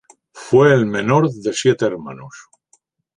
Fue el menor de siete hermanos.